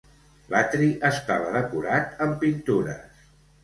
L'atri estava decorat amb pintures.